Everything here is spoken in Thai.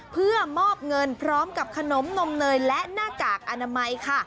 เพื่อมอบเงินพร้อมกับขนมนมเนยและหน้ากากอนามัยค่ะ